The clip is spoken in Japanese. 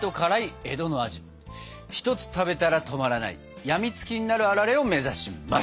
１つ食べたら止まらない病みつきになるあられを目指します。